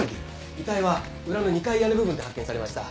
遺体は裏の二階屋根部分で発見されました。